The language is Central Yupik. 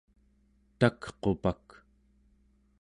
takqupak